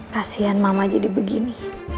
kasian mama jadi begini